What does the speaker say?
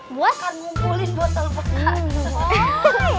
pakar ngumpulin botol bekas